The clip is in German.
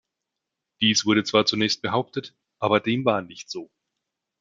Dies wurde zwar zunächst behauptet, aber dem war nicht so.